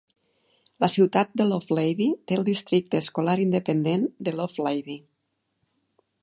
La ciutat de Lovelady té el districte escolar independent de Lovelady.